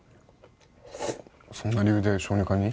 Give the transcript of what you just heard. そんな理由で小児科に？